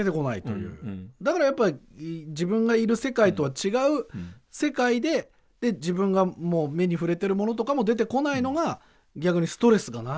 だからやっぱ自分がいる世界とは違う世界で自分が目に触れてるものとかも出てこないのが逆にストレスがないんですよね。